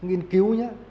nghiên cứu nhé